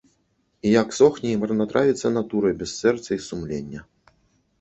І як сохне і марнатравіцца натура без сэрца і сумлення.